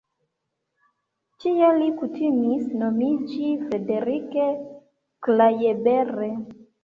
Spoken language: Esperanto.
Tie li kutimis nomiĝi Frederick Klaeber.